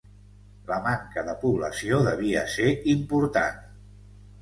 La manca de població devia ser important.